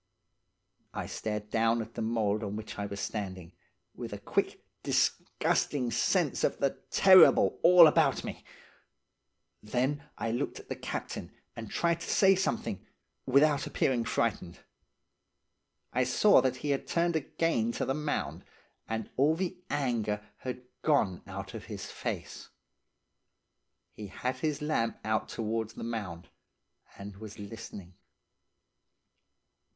"I stared down at the mould on which I was standing, with a quick, disgusting sense of the terrible all about me; then I looked at the captain, and tried to say something, without appearing frightened. I saw that he had turned again to the mound, and all the anger had gone out of his face. He had his lamp out towards the mound, and was listening.